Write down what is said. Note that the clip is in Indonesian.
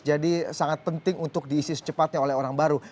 jadi sangat penting untuk diisi secepatnya oleh orang baru